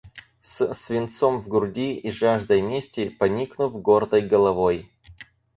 С свинцом в груди и жаждой мести, поникнув гордой головой!..